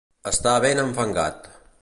Estar ben enfangat.